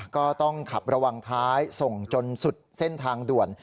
ก็ต้องขับระวังท้ายส่งจนสุดเส้นทางด่วน